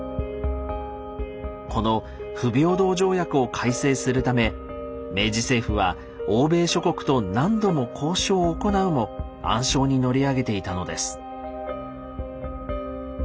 この不平等条約を改正するため明治政府は欧米諸国と何度も交渉を行うも暗礁に乗り上げていたのです。